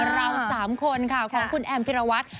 เราสามคนค่ะของคุณแอมพิหรวัฒน์